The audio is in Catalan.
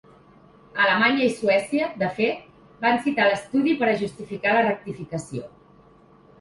Alemanya i Suècia, de fet, van citar l’estudi per a justificar la rectificació.